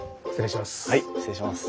失礼します。